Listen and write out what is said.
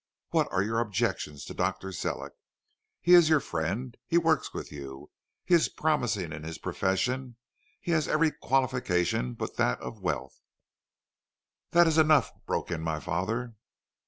What are your objections to Dr. Sellick? He is your friend; he works with you; he is promising in his profession; he has every qualification but that of wealth ' "'That is enough,' broke in my father.